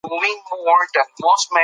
غوره اخلاق تر ټولو دروند عمل دی.